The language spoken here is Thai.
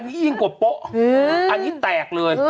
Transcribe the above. อันนี้อิ่งกว่าป๊อกอันนี้แตกเลย